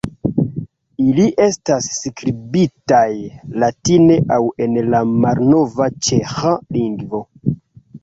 Ili estas skribitaj latine aŭ en la malnova ĉeĥa lingvo.